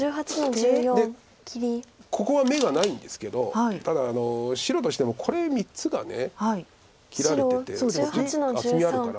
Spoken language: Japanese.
ここは眼がないんですけどただ白としてもこれ３つが切られててこっち厚みあるから。